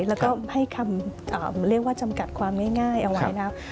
แล้วก็ให้คำเรียกว่าจำกัดความง่ายเอาไว้นะ